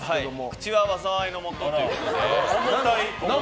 口は災いの元ということで。